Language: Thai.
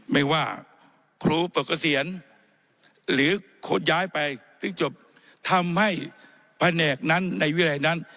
ไม่ว่าครูปเกษียณหรือขนย้ายไปถึงจบทำให้แผนกนั้นในวิรัยนั้น